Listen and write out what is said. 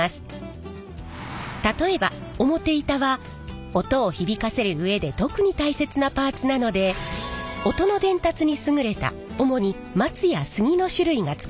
例えば表板は音を響かせる上で特に大切なパーツなので音の伝達に優れた主にマツやスギの種類が使われます。